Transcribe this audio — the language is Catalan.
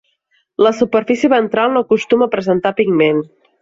La superfície ventral no acostuma a presentar pigment.